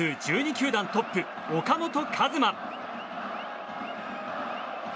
球団トップ岡本和真。